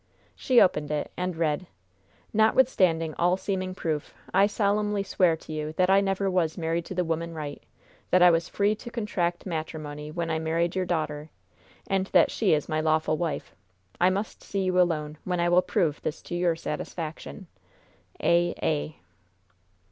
She opened it, and read: "Notwithstanding all seeming proof, I solemnly swear to you that I never was married to the woman Wright; that I was free to contract matrimony when I married your daughter, and that she is my lawful wife. I must see you alone, when I will prove this to your satisfaction. A. A."